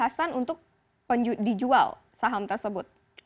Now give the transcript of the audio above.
alasan untuk dijual saham tersebut